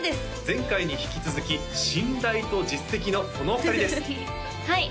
前回に引き続き信頼と実績のこのお二人ですはい